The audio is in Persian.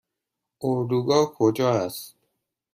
اردوگاه کجا است؟